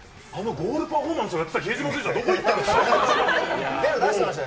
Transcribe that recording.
ゴールパフォーマンスをやってた比江島選手は、どこいったんですか。